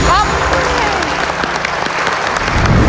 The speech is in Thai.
ปล่อยเร็วเร็ว